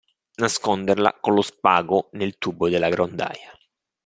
Nasconderla con lo spago nel tubo della grondaia.